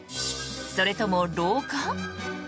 それとも老化？